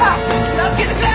助けてくれ！